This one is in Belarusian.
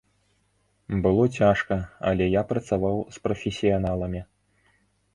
Было цяжка, але я працаваў з прафесіяналамі.